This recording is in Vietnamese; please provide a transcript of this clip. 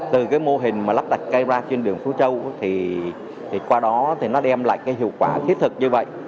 từ cái mô hình mà lắp đặt cây ra trên đường phú châu thì qua đó thì nó đem lại cái hiệu quả thiết thực như vậy